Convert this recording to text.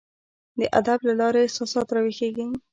د ادب له لاري احساسات راویښیږي.